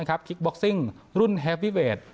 คลิกบ็อกซิ่งรุ่นเฮววิเวท